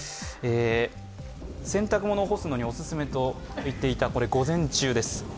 洗濯物を干すのにお勧めといったこれ午前中です。